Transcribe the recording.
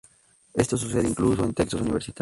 Esto sucede incluso en textos universitarios.